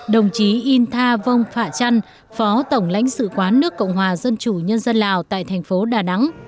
đồng chí in tha vong phạ trăn phó tổng lãnh sự quán nước cộng hòa dân chủ nhân dân lào tại thành phố đà nẵng